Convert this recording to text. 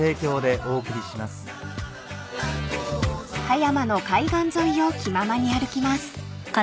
［葉山の海岸沿いを気ままに歩きます］